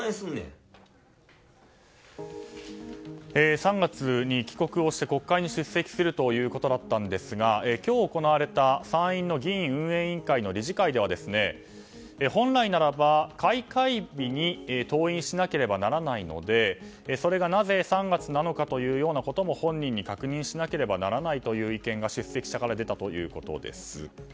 ３月に帰国をして国会に出席するということでしたが今日行われた参院の議院運営委員会の理事会では本来ならば開会日に登院しなければならないのでそれが、なぜ３月なのかというようなことも本人に確認しなければならないという意見が出席者から出たということです。